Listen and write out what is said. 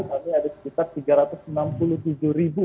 kami ada sekitar tiga ratus enam puluh tujuh ribu